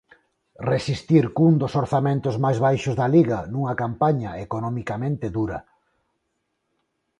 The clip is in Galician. Resistir cun dos orzamentos máis baixos da Liga nunha campaña economicamente dura.